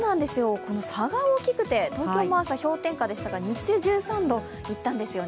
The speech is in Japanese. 差が大きくて、東京も朝、氷点下でしたが日中、１３度いったんですよね。